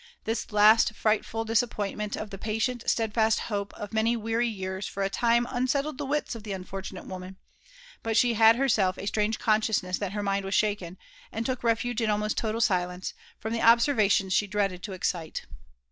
This last fright ful disappointment of the patient steadfast hope of many weary years for a time unsettled the wits of the unfortunate woman; but r JONATHAN JEFFERSON WHITLAW . t»l she had herself a strange consciousness that her mind was( shaken, and took refuge in almost total silence, from the observations she dreaded (o excite.